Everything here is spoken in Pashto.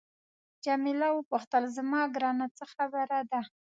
جميله وپوښتل زما ګرانه څه خبره ده.